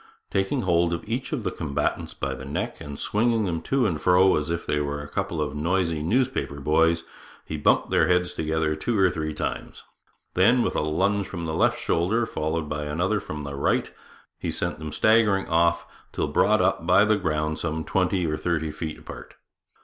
Taking hold of each of the combatants by the neck, and swinging them to and fro as if they were a couple of noisy newspaper boys, he bumped their heads together two or three times; then, with a lunge from the left shoulder, followed by another from the right, he sent them staggering off, till brought up by the ground some twenty or thirty feet apart.